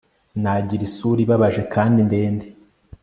Nagira isura ibabaje kandi ndende